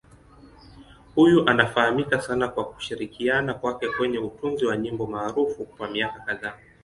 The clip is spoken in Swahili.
Huyu anafahamika sana kwa kushirikiana kwake kwenye utunzi wa nyimbo maarufu kwa miaka kadhaa.